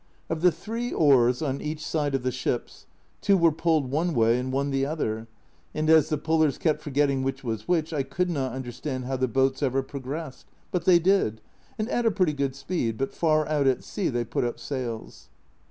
Of the three oars on each side of the ships, two were pulled one way and one the other, and as the pullers kept forgetting which was which, I could not understand how the boats ever progressed, but they did, and at a pretty good speed, but far out at sea they put up sails.